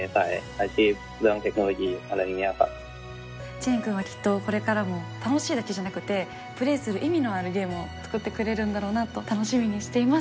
チェーンくんはきっとこれからも楽しいだけじゃなくてプレーする意味のあるゲームを作ってくれるんだろうなと楽しみにしています。